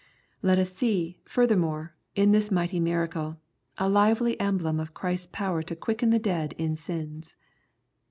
Let us see, furthermore, in this mighty miracle, a lively emblem of Christ's power to quicken the dead in sins.